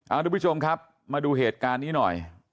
ทุกผู้ชมครับมาดูเหตุการณ์นี้หน่อย